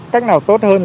cách nào tốt hơn